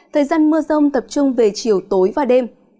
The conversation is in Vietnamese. thời gian mưa rông tập trung về chiều tối và đêm